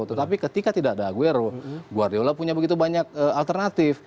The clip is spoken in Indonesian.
tetapi ketika tidak ada aguero guardiola punya begitu banyak alternatif